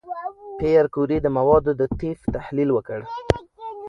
پېیر کوري د موادو د طیف تحلیل وکړ.